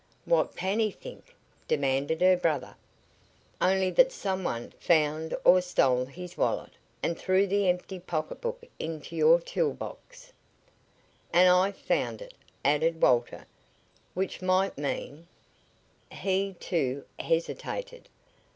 "What can he think?" demanded her brother. "Only that some one found or stole his wallet and threw the empty pocketbook into your tool box." "And I found it," added Walter. "Which might mean " He, too, hesitated.